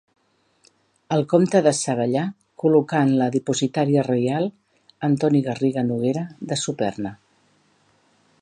El comte de Savellà col·locà en la dipositaria reial Antoni Garriga Noguera de Superna.